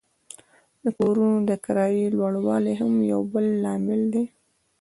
د کورونو د کرایې لوړوالی هم یو بل لامل دی